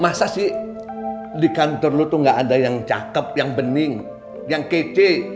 masa sih di kantor lu tuh gak ada yang cakep yang bening yang kece